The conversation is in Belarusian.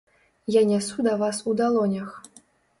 Я нясу да вас у далонях.